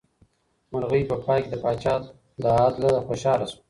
مرغۍ په پای کې د پاچا له عدله خوشحاله شوه.